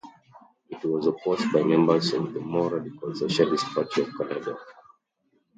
It was opposed by members of the more radical Socialist Party of Canada.